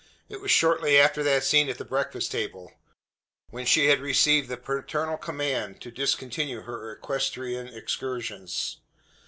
It was shortly after that scene at the breakfast table; when she had received the paternal command to discontinue her equestrian excursions.